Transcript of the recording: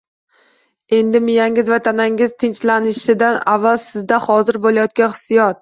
Endi miyangiz va tanangiz tinchlanishidan avval sizda hozir bo’layotgan hissiyot